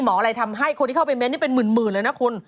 อะไรทำให้คนที่เข้าไปเน้นนี่เป็นหมื่นเลยนะคุณ